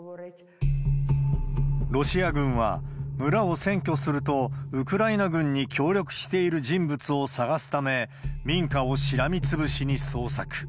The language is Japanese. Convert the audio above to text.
ロシア軍は、村を占拠すると、ウクライナ軍に協力している人物を探すため、民家をしらみつぶしに捜索。